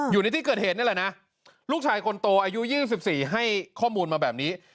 อยู่ในที่เกิดเหตุนี่แหละนะลูกชายคนโตอายุ๒๔ให้ข้อมูลมาแบบนี้